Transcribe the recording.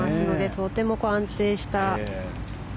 とても安定した。